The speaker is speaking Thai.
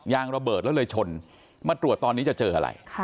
ยางระเบิดแล้วเลยชนมาตรวจตอนนี้จะเจออะไร